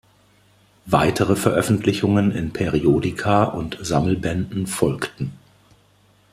Weitere Veröffentlichungen in "Periodika" und Sammelbänden folgten.